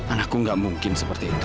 anakku gak mungkin seperti itu